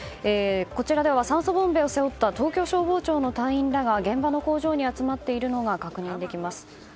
こちらでは酸素ボンベを背負った東京消防庁の隊員らが現場の工場に集まっているのが確認できます。